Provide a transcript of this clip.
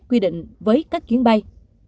quy định với các chuyến bay